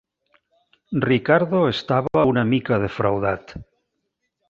Ricardo estava una mica defraudat.